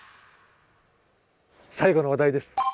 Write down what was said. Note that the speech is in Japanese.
最後の話題です。